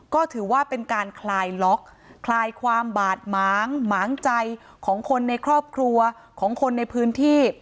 ก็ถือว่าเป็นการคลายล็อกคลายความบาดหมางหมางใจของคนในครอบครัวของคนในพื้นที่